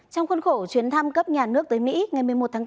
trong khuôn khổ chuyến thăm cấp nhà nước tới mỹ ngày một mươi một tháng bốn